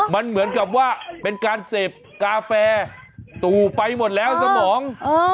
มันเหมือนกับว่าเป็นการเสพกาแฟตู่ไปหมดแล้วสมอง